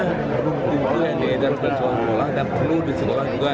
ruang pintu yang diedar di sekolah